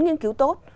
nghiên cứu tốt